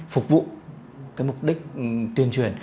phục vụ cái mục đích tuyên truyền